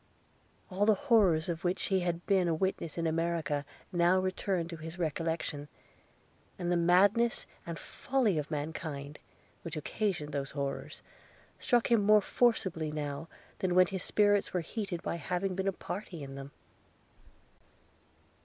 All the horrors of which he had been a witness in America now returned to his recollection; and the madness and folly of mankind, which occasioned those horrors, struck him more forcibly now than when his spirits were heated by having been a party in them.